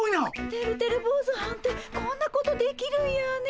てるてる坊主はんってこんなことできるんやねえ。